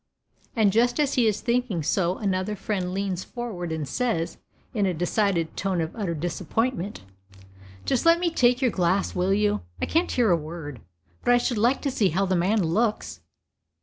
And just as he is thinking so another friend leans forward and says, in a decided tone of utter disappointment, "Just let me take your glass, will you? I can't hear a word, but I should like to see how the man looks."